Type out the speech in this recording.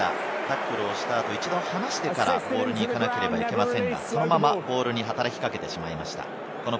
タックルをした後、一度離してからボールに行かなければいけませんが、そのままボールに働き掛けてしまいました。